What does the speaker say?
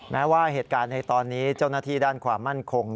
แม้ว่าเหตุการณ์ในตอนนี้เจ้าหน้าที่ด้านความมั่นคง